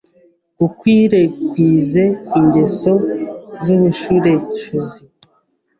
gukwirekwize ingeso z’ubushureshuzi